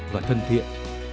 và thân thiện